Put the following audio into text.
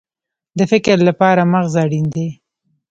د فکر لپاره مغز اړین دی